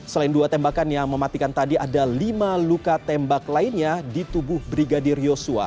selain dua tembakan yang mematikan tadi ada lima luka tembak lainnya di tubuh brigadir yosua